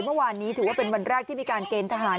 เมื่อวานนี้ถือว่าเป็นวันแรกที่มีการเกณฑ์ทหาร